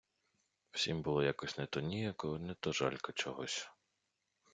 Всім було якось не то ніяково, не то жалько чогось.